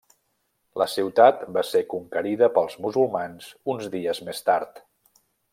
La ciutat va ser conquerida pels musulmans uns dies més tard.